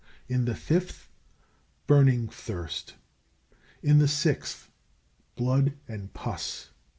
In the fifth, burning thirst. In the sixth, blood and pus.